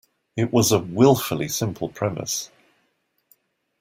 It was a wilfully simple premise.